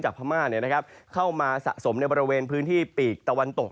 พม่าเข้ามาสะสมในบริเวณพื้นที่ปีกตะวันตก